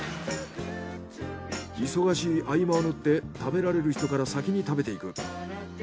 忙しい合間をぬって食べられる人から先に食べていく。